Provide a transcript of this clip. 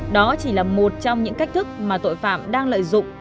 đó chỉ là một trong những cách thức mà tội phạm đang lợi dụng